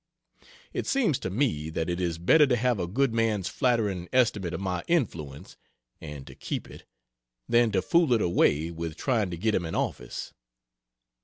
It seems to me that it is better to have a good man's flattering estimate of my influence and to keep it than to fool it away with trying to get him an office.